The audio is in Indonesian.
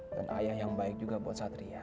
dan ayah yang baik juga buat satria